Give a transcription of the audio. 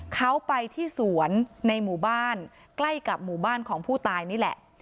เขาไปที่สวนในหมู่บ้านใกล้กับหมู่บ้านของผู้ตายนี่แหละ